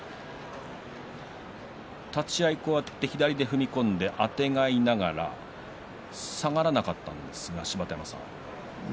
立ち合い、左で踏み込んであてがいながら下がらなかったんですが芝田山さん。